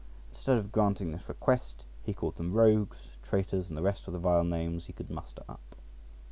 Instead of granting this request, he called them rogues, traitors, and the rest of the vile names he could muster up.